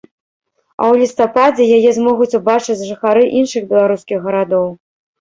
А ў лістападзе яе змогуць убачыць жыхары іншых беларускіх гарадоў.